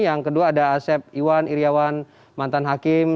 yang kedua ada asep iwan iryawan mantan hakim